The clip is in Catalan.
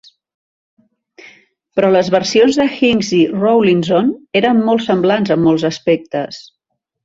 Però les versions de Hincks i Rawlinson eren molt semblants en molts aspectes.